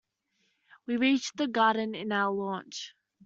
We reach the garden in our launch.